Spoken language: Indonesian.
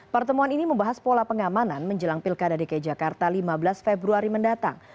pertemuan ini membahas pola pengamanan menjelang pilkada dki jakarta lima belas februari mendatang